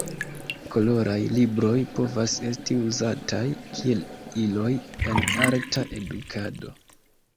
Koloraj libroj povas esti uzataj kiel iloj en arta edukado.